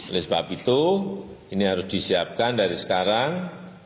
oleh sebab itu ini harus disiapkan dari sekarang